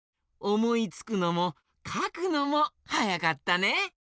おもいつくのもかくのもはやかったね。